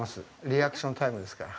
リアクションタイムですから。